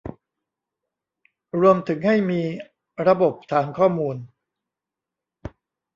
รวมถึงจัดให้มีระบบฐานข้อมูล